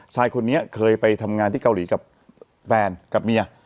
ชายคนนี้เคยไปทำงานที่เกาหลีกับแฟนกับเมีย